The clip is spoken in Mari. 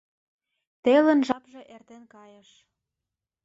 «Телын жапше эртен кайыш!